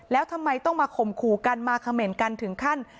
แล้วทำไมต้องมาข่มขู่กันมาเขม่นกันถึงขั้น